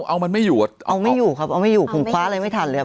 เอามันไม่อยู่อ่ะเอาไม่อยู่ครับเอาไม่อยู่ผมคว้าอะไรไม่ทันเลยครับ